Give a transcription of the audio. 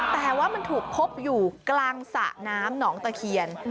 แต่ว่ามันถูกพบอยู่กลางสระน้ำหนองตะเคียน